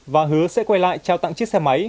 và hứa sẽ quay lại trao tặng chiếc xe máy